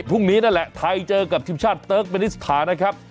พรุ่งนี้นั่นแหละไทยเจอกับทีมชาติเติร์กเมนิสถานะครับ